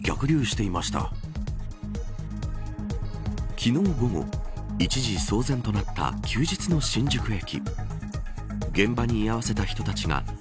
昨日午後、一時騒然となった休日の新宿駅。